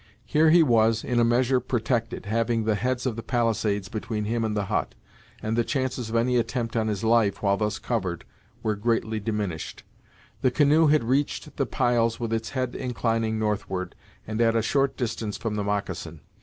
Here he was, in a measure, protected, having the heads of the palisades between him and the hut, and the chances of any attempt on his life while thus covered, were greatly diminished. The canoe had reached the piles with its head inclining northward, and at a short distance from the moccasin.